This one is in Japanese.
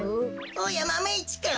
おやマメ１くん。